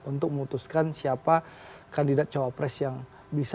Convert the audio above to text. untuk memutuskan siapa kandidat cawapres yang bisa